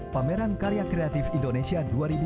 pameran karya kreatif indonesia dua ribu dua puluh